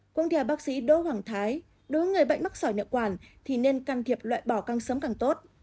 công thề bác sĩ đỗ hoàng thái đối với người bệnh mất sỏi niệu quản thì nên can thiệp loại bỏ càng sớm càng tốt